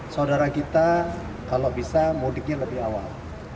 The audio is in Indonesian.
saudara kita kalau bisa mudiknya lebih awal